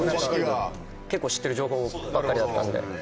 結構知ってる情報ばっかりだったんで。